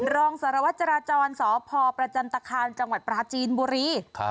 รองสารวัตรจราจรสพประจันตคามจังหวัดปราจีนบุรี